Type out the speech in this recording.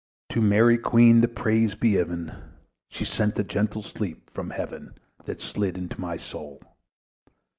To Mary Queen the praise be given! She sent the gentle sleep from Heaven, That slid into my soul.